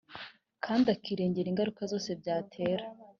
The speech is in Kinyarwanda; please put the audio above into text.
kandi akirengera ingaruka zose byatera